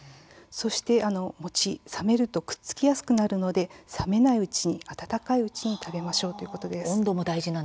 そして餅は冷めるとくっつきやすくなるので温かいうちに食べましょうということです。